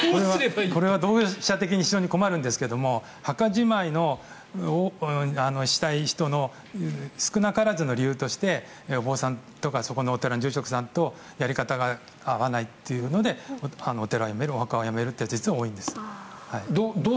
これは同業者的に非常に困るんですが墓じまいをしたい人の少なからずの理由としてお坊さんとかそこのお寺の住職さんとやり方が合わないというのでお寺に埋めるというのをやめる人が実は多いんです。